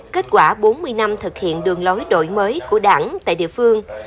kết quả bốn mươi năm thực hiện đường lối đổi mới của đảng tại địa phương